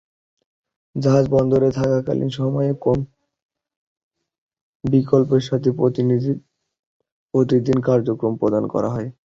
জাহাজ বন্দরে থাকাকালীন সময়ে কম বিকল্পের সাথে প্রতিদিন কার্যক্রম প্রদান করা হয়।